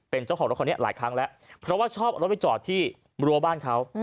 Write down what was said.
เป็นเจ้าของรถคนนี้หลายครั้งแล้วเพราะว่าชอบเอารถไปจอดที่รั้วบ้านเขา